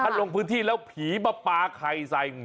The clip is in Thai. ถ้าลงพื้นที่แล้วผีมาปลาไข่ใส่